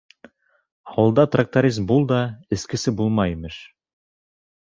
Ауылда тракторист бул да, эскесе булма, имеш.